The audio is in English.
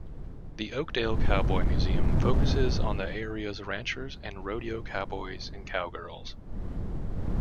The Oakdale Cowboy Museum focuses on the area's ranchers and rodeo cowboys and cowgirls.